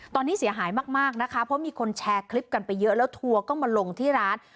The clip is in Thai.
ตอนนี้เสียหายมากนะคะเพราะมีคนแชร์คลิปกันไปเยอะแล้วทัวร์ก็มาลงที่ร้าน